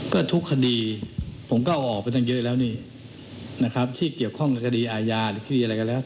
ก็ทุกคดีผมก็เอาออกไปตั้งเยอะแล้วนี่ที่ของคดีอายาหรือคดีอะไรก็แล้ว